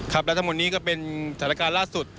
ครับและทั้งหมดนี้ก็เป็นสถานการณ์ล่าสุด